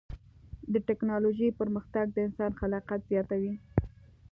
د ټکنالوجۍ پرمختګ د انسان خلاقیت زیاتوي.